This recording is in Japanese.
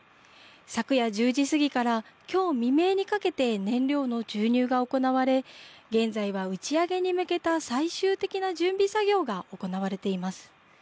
昨夜１０時過ぎからきょう未明にかけて燃料の注入が行われ現在は打ち上げに向けた最終的な準備作業が行われています。